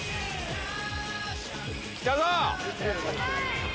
来たぞ！